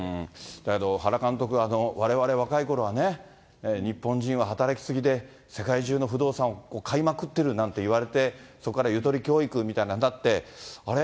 だけど、原監督、われわれ若いころはね、日本人は働き過ぎで、世界中の不動産を買いまくってるなんていわれて、そこからゆとり教育みたいになって、あれ？